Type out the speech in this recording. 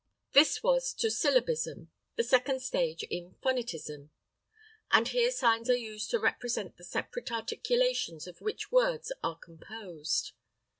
This was to syllabism, the second stage in phonetism, and here signs are used to represent the separate articulations of which words are composed.